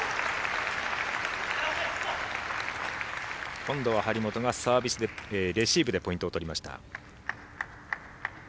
今度は張本がレシーブでポイントを取りました。